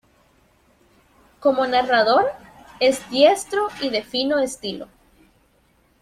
Como narrador, es diestro y de fino estilo.